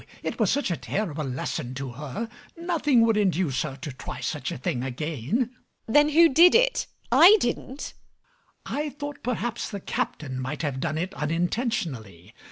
It was such a terrible lesson to her: nothing would induce her to try such a thing again. MRS HUSHABYE. Then who did it? I didn't. MAZZINI. I thought perhaps the captain might have done it unintentionally.